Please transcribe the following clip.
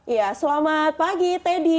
ya selamat pagi teddy